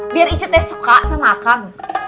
biar ijeng suka makan